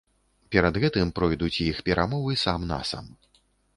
Перад гэтым пройдуць іх перамовы сам-насам.